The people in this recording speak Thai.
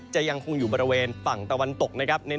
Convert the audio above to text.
จะยังคงอยู่บรรเวณฝั่งตะวันตก